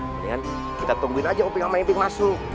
mendingan kita tungguin aja uping sama iping masuk